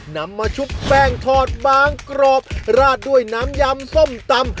นำมาชุบแป้งทอดบางกรอบราดด้วยน้ำยำส้มตำ